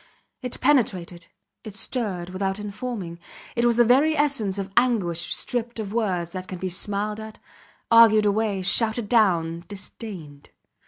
It penetrated, it stirred without informing; it was the very essence of anguish stripped of words that can be smiled at, argued away, shouted down, disdained.